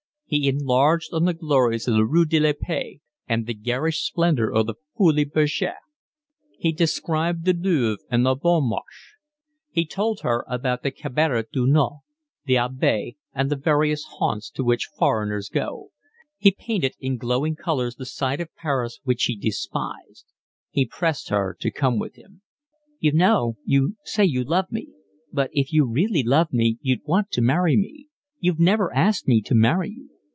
He enlarged on the glories of the Rue de la Paix and the garish splendour of the Folies Bergeres. He described the Louvre and the Bon Marche. He told her about the Cabaret du Neant, the Abbaye, and the various haunts to which foreigners go. He painted in glowing colours the side of Paris which he despised. He pressed her to come with him. "You know, you say you love me, but if you really loved me you'd want to marry me. You've never asked me to marry you."